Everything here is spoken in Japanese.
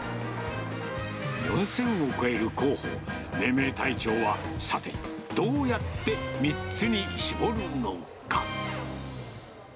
４０００を超える候補、命名隊長はさて、どうやって３つに絞るのか。